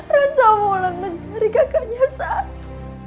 rasamulan mencari kakaknya saya